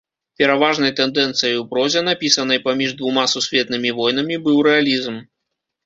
Пераважнай тэндэнцыяй у прозе, напісанай паміж двума сусветнымі войнамі быў рэалізм.